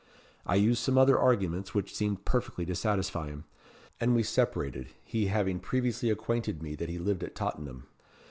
I used some other arguments, which seemed perfectly to satisfy him, and we separated, he having previously acquainted me that he lived at Tottenham.